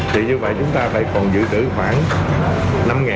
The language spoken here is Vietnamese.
vậy như vậy chúng ta phải còn giữ được khoảng